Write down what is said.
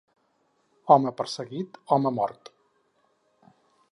Home perseguit, home mort.